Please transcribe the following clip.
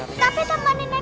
mirah mirah mirah